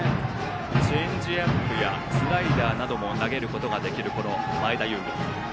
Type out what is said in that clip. チェンジアップやスライダーなども投げることができる前田悠伍。